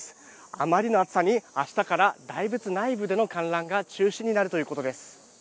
あまりの暑さに、明日から大仏内部での観覧が中止になるということです。